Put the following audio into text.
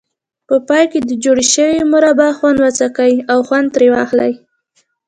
په پای کې د جوړې شوې مربا خوند وڅکئ او خوند ترې واخلئ.